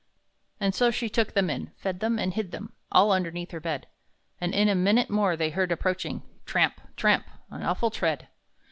And so she took them in, fed them, and hid them All underneath her bed; And in a minute more they heard approaching, Tramp! tramp! an awful tread!